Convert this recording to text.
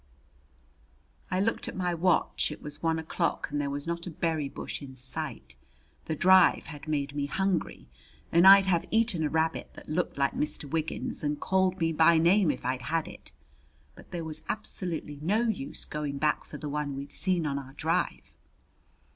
I looked at my watch. It was one o'clock and there was not a berry bush in sight. The drive had made me hungry, and I'd have eaten a rabbit that looked like Mr. Wiggins and called me by name if I'd had it. But there was absolutely no use going back for the one we'd seen on our drive.